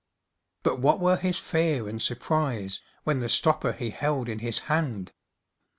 _] But what were his fear and surprise When the stopper he held in his hand!